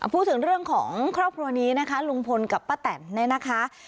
พูดถึงเรื่องของครอบครัวนี้นะคะลุงพลกับป้าแตนเนี่ยนะคะ